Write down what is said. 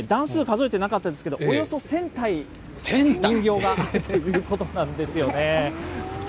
ちょっと段数数えてなかったですけど、およそ１０００体人形があるということなんですよね。